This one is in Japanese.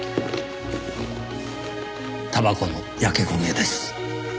たばこの焼け焦げです。